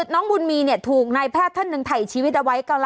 น้องบุญมีเนี่ยถูกในแพทย์ท่านหนึ่งไถ่ชีวิตเอาไว้